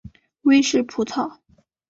威氏葡萄